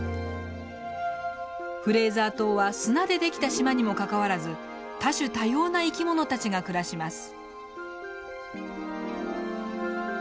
フレーザー島は砂でできた島にもかかわらず多種多様な生き物たちが暮らします。